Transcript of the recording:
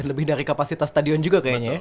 dan lebih dari kapasitas stadion juga kayaknya ya